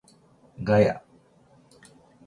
ガヤ